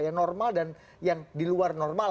yang normal dan yang di luar normal